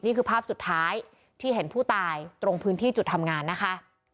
นี่คือภาพสุดท้ายที่เห็นผู้ตายตรงพื้นที่จุดทำงานนะคะ